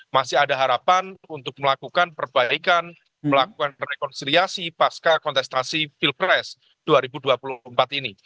masih ada harapan untuk melakukan perbaikan melakukan rekonsiliasi pasca kontestasi pilpres dua ribu dua puluh empat ini